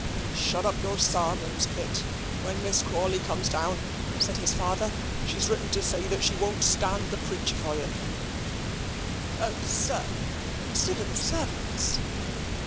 "Shut up your sarmons, Pitt, when Miss Crawley comes down," said his father; "she has written to say that she won't stand the preachifying." "O, sir! consider the servants."